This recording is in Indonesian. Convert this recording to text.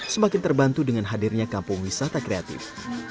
semakin terbantu dengan hadirnya kampung wisata kreatif